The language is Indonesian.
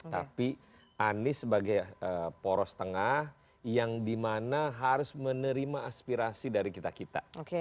tapi anies sebagai poros tengah yang dimana harus menerima aspirasi dari kita kita